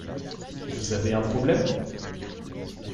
Vous avez un problème ?